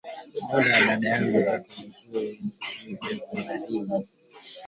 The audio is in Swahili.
Ndoa ya dada yangu iko muzuri nju beko na rima